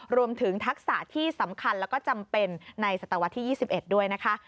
ทักษะที่สำคัญแล้วก็จำเป็นในศตวรรษที่๒๑ด้วยนะคะ